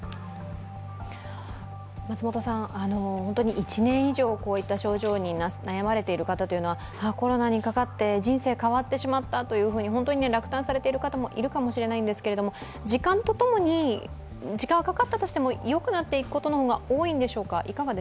１年以上こういった症状に悩まれている方はコロナにかかって人生変わってしまったと本当に落胆されている方もいるかもしれないんですけど時間はかかったとしても、よくなっていくことの方が多いんでしょうか？